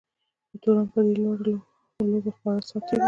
د تورن په دې لوبه خورا ساعت تېر وو.